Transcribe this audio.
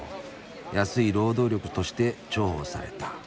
安い労働力として重宝された」。